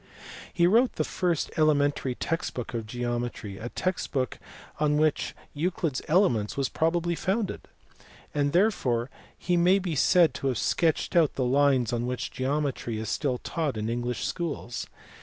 He wrote the first elementary text book of geometry, a text book on which Euclid s Elements was probably founded; and therefore he may be said to have sketched out the lines on which geometry is still taught in English schools.